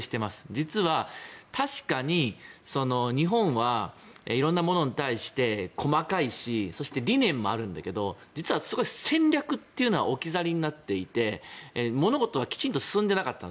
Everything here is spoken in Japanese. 実は確かに日本はいろいろなものに対して細かいしそして理念もあるんだけど実はすごい戦略っていうのは置き去りになっていて物事がきちんと進んでいなかった。